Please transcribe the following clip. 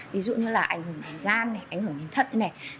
ví dụ như là ảnh hưởng đến gan này ảnh hưởng đến thận này